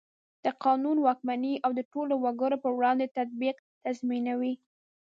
د قانون واکمني او د ټولو وګړو په وړاندې تطبیق تضمینوي.